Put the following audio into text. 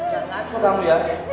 jangan takut kamu ya